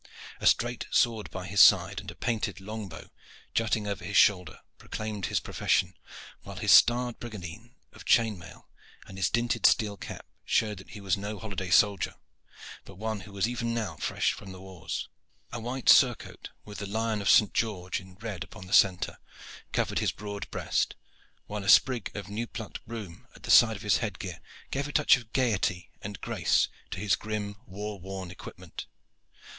A straight sword by his side and a painted long bow jutting over his shoulder proclaimed his profession, while his scarred brigandine of chain mail and his dinted steel cap showed that he was no holiday soldier, but one who was even now fresh from the wars. A white surcoat with the lion of St. George in red upon the centre covered his broad breast, while a sprig of new plucked broom at the side of his head gear gave a touch of gayety and grace to his grim, war worn equipment.